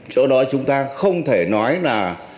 cho đó chúng ta không thể nói là